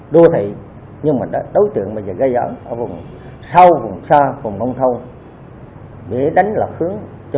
có thể nhưng mà đối tượng bây giờ gây ẩn ở vùng sau vùng xa vùng nông thôn để đánh lập hướng cho